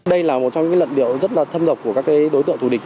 đây là một trong những luận điệu rất là thâm độc của các đối tượng thủ địch